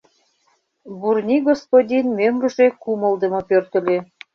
Бурни господин мӧҥгыжӧ кумылдымо пӧртыльӧ.